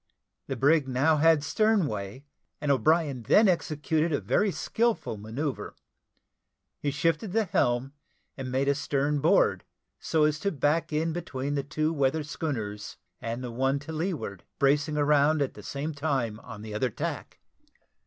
The brig had now stern way, and O'Brien then executed a very skilful manoeuvre: he shifted the helm, and made a stern board, so as to back in between the two weather schooners and the one to leeward, bracing round at the same time on the other tack.